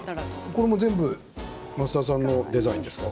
これも全部、増田さんのデザインですか？